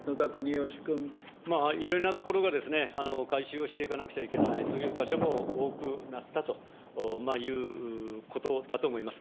いろいろなところが改修をしていかなくちゃいけない、そういう箇所も多くなったということだと思います。